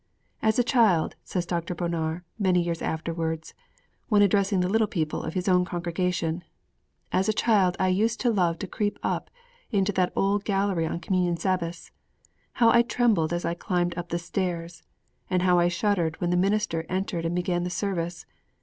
'As a child,' said Dr. Bonar, many years afterwards, when addressing the little people of his own congregation, 'as a child I used to love to creep up into that old gallery on Communion Sabbaths. How I trembled as I climbed up the stairs! And how I shuddered when the minister entered and began the service!